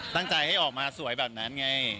ตั้งใจให้ออกมาสวยแบบนั้นไง